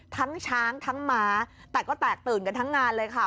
ช้างทั้งม้าแต่ก็แตกตื่นกันทั้งงานเลยค่ะ